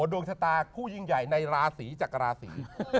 ดวงชะตาคู่ยิ่งใหญ่ในราศีจากราศี